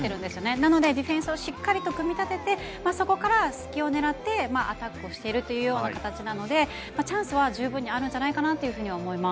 なのでディフェンスをしっかり組み立ててそこからすきを狙ってアタックしているのでチャンスは十分にあるんじゃないかと思います。